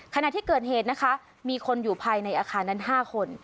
ขณะที่เกิดเหตุนะคะมีคนอยู่ภายในอาคารนั้น๕คน